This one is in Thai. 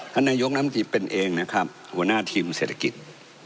คันยกน้ำกิจเป็นเองนะครับหัวหน้าทีมเศรษฐกิจ